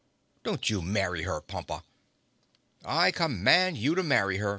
Don't you marry her, Pompa." "I command him to marry her!"